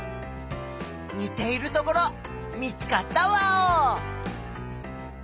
にているところ見つかったワオ！